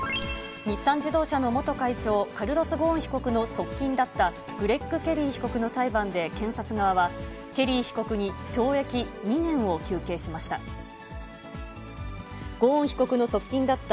日産自動車の元会長、カルロス・ゴーン被告の側近だったグレッグ・ケリー被告の裁判で検察側は、ケリー被告に懲役２年を求刑しました。